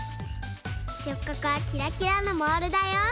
しょっかくはキラキラのモールだよ。